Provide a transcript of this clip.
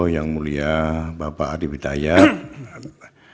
yang mulia bapak adi bidayat